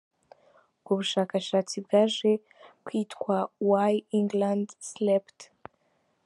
Ubwo bushakashatsi bwaje kwitwa “Why England Slept”.